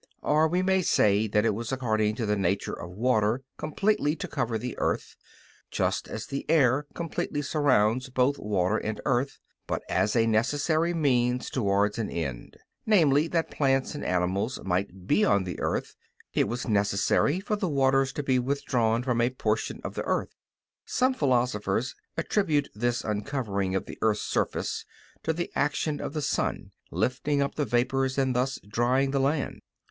Or we may say that it was according to the nature of water completely to cover the earth, just as the air completely surrounds both water and earth; but as a necessary means towards an end, namely, that plants and animals might be on the earth, it was necessary for the waters to be withdrawn from a portion of the earth. Some philosophers attribute this uncovering of the earth's surface to the action of the sun lifting up the vapors and thus drying the land.